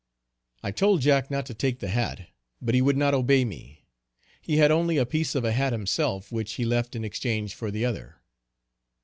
I told Jack not to take the hat, but he would not obey me. He had only a piece of a hat himself, which he left in exchange for the other.